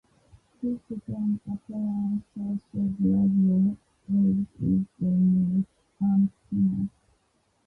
This second apparent source of radio waves is the image antenna.